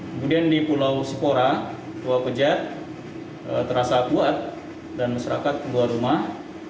kemudian di pulau sipora tua pejat terasa kuat dan masyarakat keluar rumah